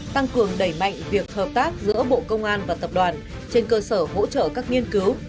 tăng cường đẩy mạnh việc hợp tác giữa bộ công an và tập đoàn trên cơ sở hỗ trợ các nghiên cứu